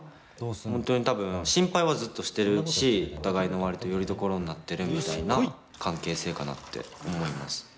本当に多分心配はずっとしてるしお互いの割とよりどころになってるみたいな関係性かなって思います。